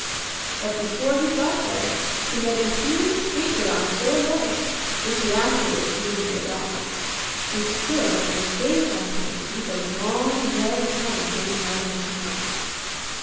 But before he got there he met a huge creature on four legs, which he afterwards knew to be a dog, who stood and gazed at him with a long red tongue hanging out of his mouth.